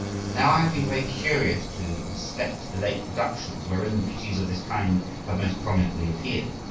Now I have been very curious to inspect the late productions, wherein the beauties of this kind have most prominently appeared.